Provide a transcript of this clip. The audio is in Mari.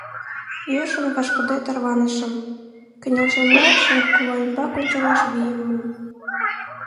Йӧршын вашкыде тарванышым, кынелшемла, шоҥго кува ӱмбак ончалаш вийым муым.